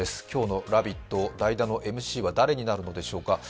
今日の「ラヴィット！」、代打のＭＣは誰になるのでしょうか。